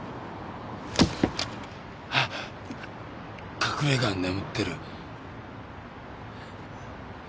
隠れがに眠ってる。